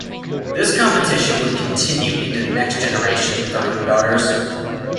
This competition would continue into the next generation with their own daughters.